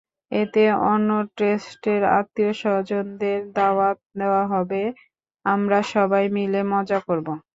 এতে অন্য স্টেটের আত্মীয়স্বজনদের দাওয়াত দেওয়া হবে, আমরা সবাই মিলে মজা করব।